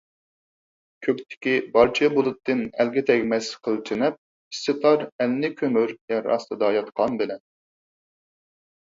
كۆكتىكى پارچە بۇلۇتتىن ئەلگە تەگمەس قىلچە نەپ، ئىسسىتار ئەلنى كۆمۈر يەر ئاستىدا ياتقان بىلەن.